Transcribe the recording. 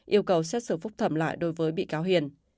yêu cầu xét xử phúc thẩm lại đối với bị cáo hiền